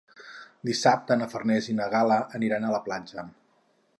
Dissabte na Farners i na Gal·la aniran a la platja.